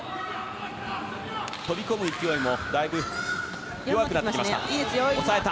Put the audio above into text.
飛び込む勢いもだいぶ弱くなってきました。